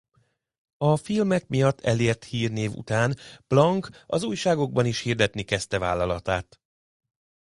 A filmek miatt elért hírnév után Plank az újságokban is hirdetni kezdte vállalatát.